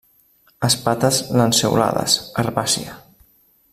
Espates lanceolades; herbàcia.